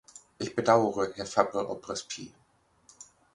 Ich bedauere, Herr Fabre-Aubrespy.